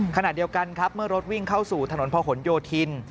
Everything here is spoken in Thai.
ขณะเดียวกันครับเมื่อรถวิ่งเข้าสู่ถนนพะหนโยธิน